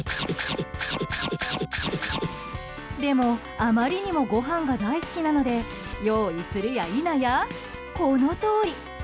でも、あまりにもごはんが大好きなので用意するや否や、このとおり。